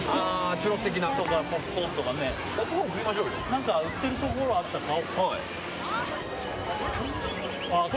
何か売っているところあったら買おうよ。